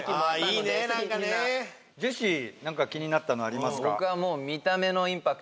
みんなジェシー何か気になったのありますか？